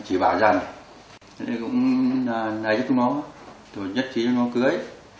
rồi nhất trí cho nó cưới